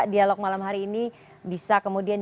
dialog malam hari ini bisa kemudian